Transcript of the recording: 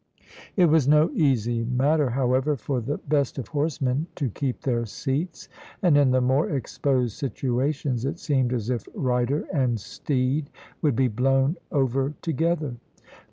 It was no easy matter, however, for the best of horsemen to keep their seats, and in the more exposed situations it seemed as if rider and steed would be blown over together.